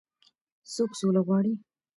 څوک سوله غواړي.